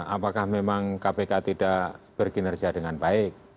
apakah memang kpk tidak berkinerja dengan baik